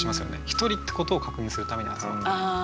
一人ってことを確認するために集まってる。